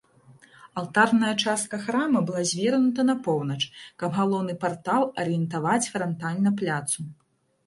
Алтарная частка храма была звернута на поўнач, каб галоўны партал арыентаваць франтальна пляцу.